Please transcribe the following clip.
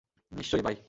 নিশ্চয়, বাই।